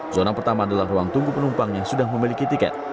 zona pertama adalah ruang tunggu penumpang yang sudah memiliki tiket